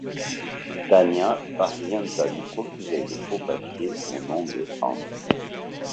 Tania parvient à lui procurer de faux papiers au nom de Hans.